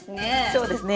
そうですね。